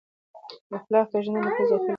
د اختلال پېژندنه د پوهې زیاتولو ته اړتیا لري.